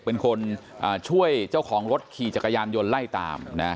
เป็นคนช่วยเจ้าของรถขี่จักรยานยนต์ไล่ตามนะฮะ